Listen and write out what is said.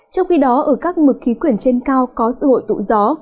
trong khi đó ở các mực khí quyển trên cao có sự hội tụ gió